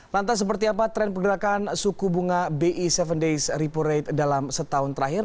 lantas seperti apa tren pergerakan suku bunga bi tujuh days repo rate dalam setahun terakhir